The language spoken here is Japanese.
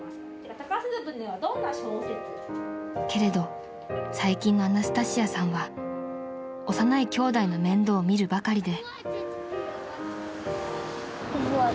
［けれど最近のアナスタシアさんは幼いきょうだいの面倒を見るばかりで］